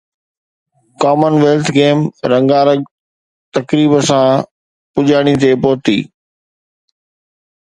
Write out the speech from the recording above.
ڪمن wealth Games رنگا رنگ تقريب سان پڄاڻي تي پهتي